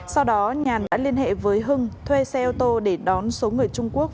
sau đó nhàn đã liên hệ với hưng thuê xe ô tô để đón số người trung quốc